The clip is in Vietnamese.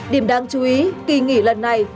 điểm đáng chú ý kỳ nghỉ lần này